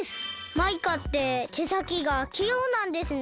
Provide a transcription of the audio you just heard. マイカっててさきがきようなんですね。